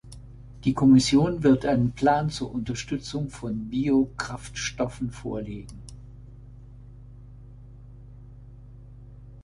Die Kommission wird einen Plan zur Unterstützung von Biokraftstoffen vorlegen.